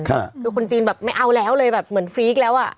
คือคนจีนแบบไม่เอาแล้วเลยแบบเหมือนฟรีคแล้วอ่ะ